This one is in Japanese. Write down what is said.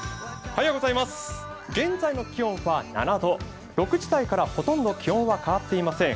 現在の気温は７度、６時台からほとんど気温は変わっていません。